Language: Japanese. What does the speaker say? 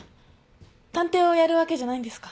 探偵をやるわけじゃないんですか？